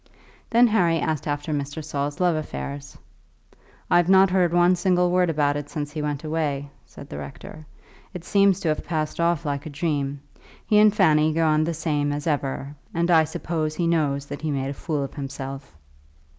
Then Harry asked after Mr. Saul's love affairs. "I've not heard one single word about it since you went away," said the rector. "It seems to have passed off like a dream. He and Fanny go on the same as ever, and I suppose he knows that he made a fool of himself."